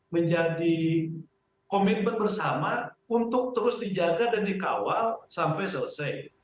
menjadi komitmen bersama untuk terus dijaga dan dikawal sampai selesai